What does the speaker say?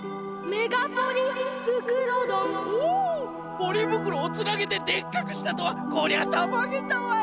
ポリぶくろをつなげてでっかくしたとはこりゃたまげたわい！